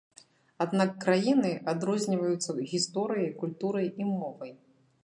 Аднак краіны адрозніваюцца гісторыяй, культурай і мовай.